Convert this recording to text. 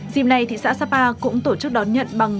dìm nay thị xã sapa cũng tổ chức đón nhận bằng